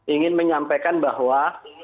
ingin menyampaikan bahwa